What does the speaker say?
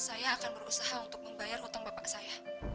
saya akan berusaha untuk membayar hutang bapak saya